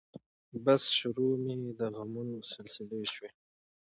بس شروع مې د غمونو سلسلې شوې